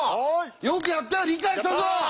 よくやったよ理解したぞ！